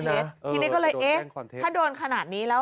ทีนี้ก็เลยเอ๊ะถ้าโดนขนาดนี้แล้ว